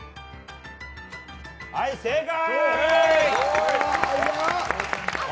はい、正解！